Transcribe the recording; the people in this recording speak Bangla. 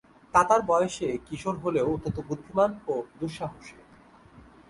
তাতার বয়েসে কিশোর হলেও অত্যন্ত বুদ্ধিমান ও দুঃসাহসী।